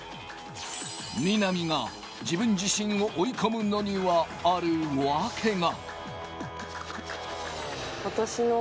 南が自分自身を追い込むのにはあるわけが。